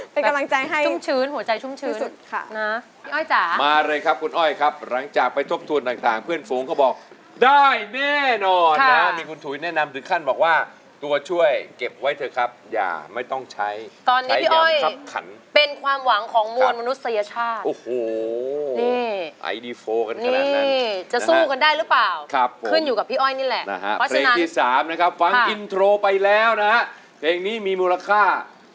เป็นกำลังใจให้ชุ่มชื้นหัวใจชุ่มชื้นที่สุดค่ะนะพี่อ้อยจ๋ามาเลยครับคุณอ้อยครับหลังจากไปทบทวนต่างเพื่อนฟงก็บอกได้แน่นอนนะมีคุณถุยแนะนำถึงขั้นบอกว่าตัวช่วยเก็บไว้เถอะครับอย่าไม่ต้องใช้ตอนนี้พี่อ้อยเป็นความหวังของมวลมนุษยชาติโอ้โหไอดีโฟกันขนาด